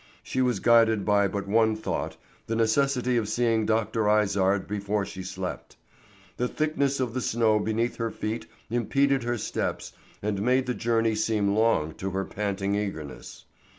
She was guided by but one thought, the necessity of seeing Dr. Izard before she slept. The thickness of the snow beneath her feet impeded her steps and made the journey seem long to her panting eagerness.